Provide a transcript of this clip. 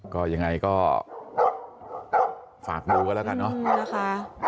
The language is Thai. ก็ยังไงก็ฝากดูกันแล้วกันเนอะนะคะ